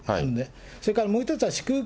それからもう１つは祝福